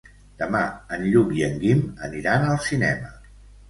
Demà en Lluc i en Guim aniran al cinema.